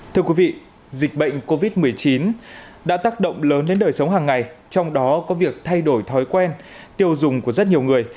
thưa quý vị dịch bệnh covid một mươi chín đã tác động lớn đến đời sống hàng ngày trong đó có việc thay đổi thói quen tiêu dùng của rất nhiều người